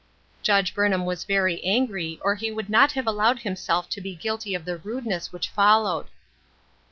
Judge Burnham was very angry or he would not have allowed himself to be guilty of the rudeness which followed.